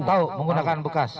tahu menggunakan bekas